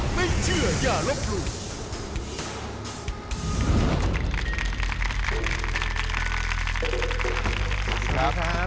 สวัสดีครับสวัสดีครับ